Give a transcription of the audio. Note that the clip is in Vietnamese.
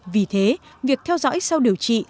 vì thế việc theo dõi sau điều trị